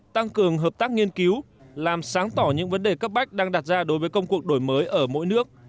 tăng cường hợp tác nghiên cứu làm sáng tỏ những vấn đề cấp bách đang đặt ra đối với công cuộc đổi mới ở mỗi nước